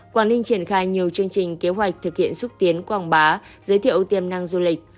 quảng ninh triển khai nhiều chương trình kế hoạch thực hiện xúc tiến quảng bá giới thiệu tiềm năng du lịch